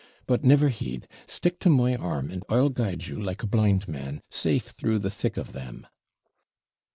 But never heed; stick to my arm, and I'll guide you, like a blind man, safe through the thick of them.'